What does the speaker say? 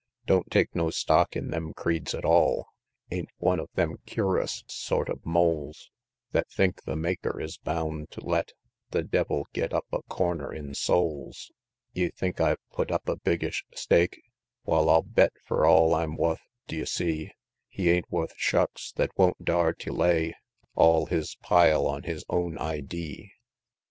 XVII. Don't take no stock in them creeds at all; Ain't one of them cur'us sort of moles Thet think the Maker is bound to let The devil git up a "corner" in souls. Ye think I've put up a biggish stake? Wal, I'll bet fur all I'm wuth, d'ye see? He ain't wuth shucks thet won't dar tew lay All his pile on his own idee!